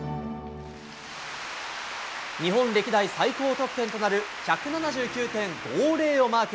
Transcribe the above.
日本歴代最高得点となる１７９．５０をマーク。